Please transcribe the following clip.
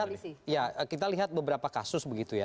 ya kita lihat beberapa kasus begitu ya